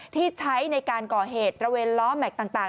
ที่ใช้ในการก่อเหตุตระเวนล้อแม็กซ์ต่าง